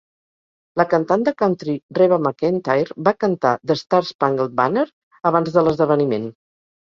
La cantant de country Reba McEntire va cantar "The Star-Spangled Banner" abans de l'esdeveniment.